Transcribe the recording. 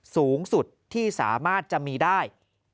สูงสุดที่สามารถจะมีได้